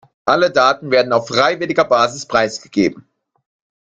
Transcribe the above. Alle Daten werden auf freiwilliger Basis preisgegeben.